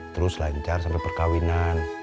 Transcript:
terus lancar sampai perkawinan